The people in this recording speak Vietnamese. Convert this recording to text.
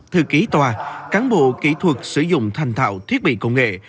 thư ký tòa cán bộ kỹ thuật sử dụng thành thạo thiết bị công nghệ